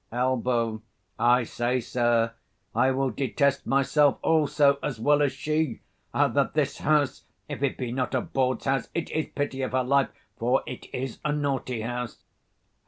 Elb. I say, sir, I will detest myself also, as well as she, that this house, if it be not a bawd's house, it is pity of her life, for it is a naughty house.